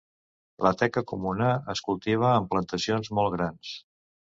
La teca comuna es cultiva en plantacions molt grans.